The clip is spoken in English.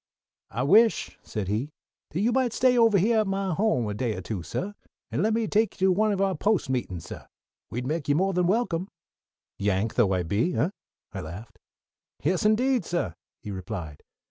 "I wish," said he, "that you might stay ovah hyah at my home a day or two, suh, and let me take you to one of our Post meetin's, suh. We'd make you more than welcome." "Yank though I be, eh?" I laughed. "Yes, indeed, suh," he replied.